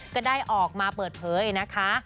ก็ได้ออกมาเปิดเผยนะคะ